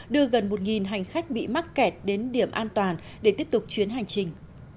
đưa gần một hành khách bị mắc kẹt đến điểm an toàn để tiếp tục chuyến hành trình